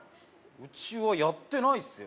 うちはやってないっすよ